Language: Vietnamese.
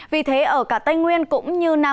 vì thế ở cả tây nguyên cũng như nam